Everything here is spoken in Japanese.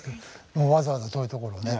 もうわざわざ遠い所。